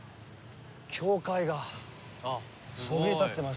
教会がそびえ立ってますよ。